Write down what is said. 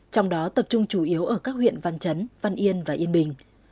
trong đó tập trung chủ yếu ở các huyện văn chấn văn yên và yên bình